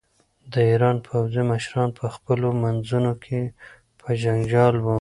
د ایران پوځي مشران په خپلو منځونو کې په جنجال وو.